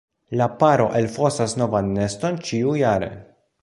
La paro elfosas novan neston ĉiujare.